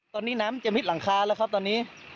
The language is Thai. ตอนนี้น้ำจะมิดหลังคาแล้วครับตอนนี้